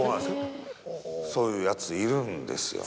そういうヤツいるんですよ。